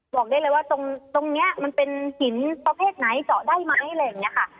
บอกได้เลยว่าตรงนี้มันเป็นหินประเภทไหนเจาะได้ไหมอะไรอย่างนี้ค่ะ